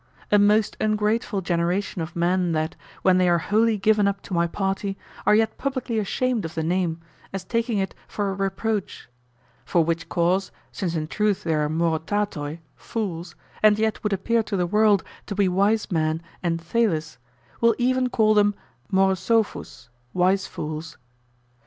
A most ungrateful generation of men that, when they are wholly given up to my party, are yet publicly ashamed of the name, as taking it for a reproach; for which cause, since in truth they are morotatoi, fools, and yet would appear to the world to be wise men and Thales, we'll even call them morosophous, wise fools.